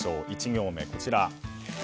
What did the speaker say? １行目、こちら。